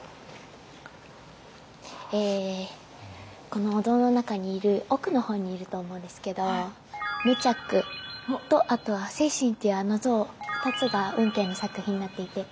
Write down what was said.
このお堂の中にいる奥の方にいると思うんですけど無著とあとは世親っていうあの像２つが運慶の作品になっていて。